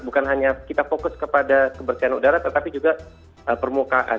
bukan hanya kita fokus kepada kebersihan udara tetapi juga permukaan